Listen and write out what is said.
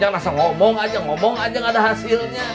jangan langsung ngomong aja ngomong aja gak ada hasilnya